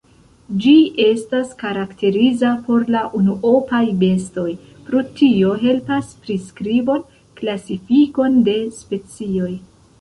Ĝi estas karakteriza por la unuopaj bestoj, pro tio helpas priskribon, klasifikon de specioj.